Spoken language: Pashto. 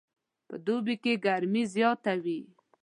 په دوبي کې ګرمي زیاته وي